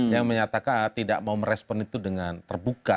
yang menyatakan tidak mau merespon itu dengan terbuka